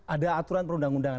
ada aturan perundang undangan